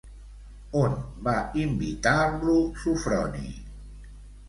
On va invitar-lo Sofroni?